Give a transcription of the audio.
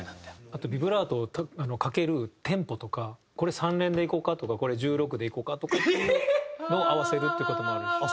あとビブラートをかけるテンポとかこれ３連でいこうかとかこれ１６でいこうかとかっていうのを合わせるっていう事もあるし。